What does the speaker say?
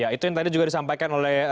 ya itu yang tadi juga disampaikan oleh